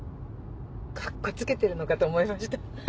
カッコつけてるのかと思いました。